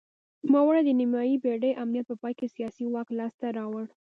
نوموړي د نیمايي پېړۍ امنیت په پای کې سیاسي واک لاسته راوړ.